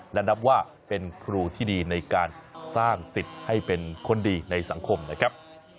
และนับว่าเป็นครูที่ดีในการสร้างสิทธิ์ให้เป็นคนดีในสังคมนะครับ